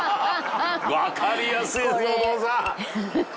わかりやすいですね大友さん」